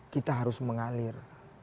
kita harus mengalir